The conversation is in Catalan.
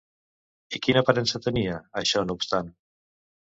I quina aparença tenia, això no obstant?